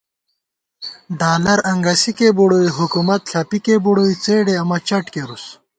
ڈالر انگَسِکےبُڑُوئی حکُومت ݪپَکِکےبُڑُوئی څېڈے امہ چٹ کېرُس